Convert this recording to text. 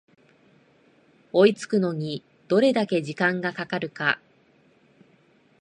追いつくのにどれだけ時間がかかるか